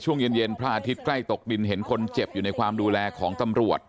ช่วงเย็นพระอาทิตย์ใกล้ตกดินเห็นคนเจ็บอยู่ในความดูแลของตำรวจ